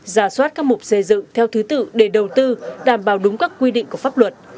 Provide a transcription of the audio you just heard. giả soát các mục xây dựng theo thứ tự để đầu tư đảm bảo đúng các quy định của pháp luật